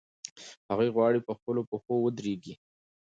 هغوی غواړي په خپلو پښو ودرېږي.